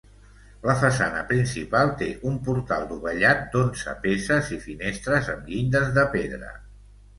La façana principal té un portal dovellat d'onze peces i finestres amb llindes de pedra.